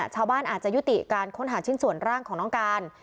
ชาวบ้านอาจจะยุติการค้นหาชิ้นส่วนร่างของน้องการ